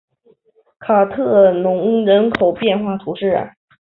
卡特农人口变化图示